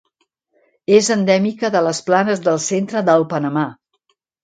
És endèmica de les planes del centre del Panamà.